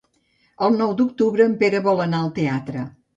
El nou d'octubre en Pere vol anar al teatre.